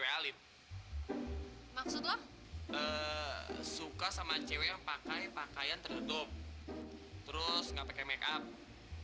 bangkit nih lumit siap jadi glassy f nineteen then shameless dua untuk en batak memberku keras jana healthy kog omhh sert dua lu benar itu aa keguyan voi ya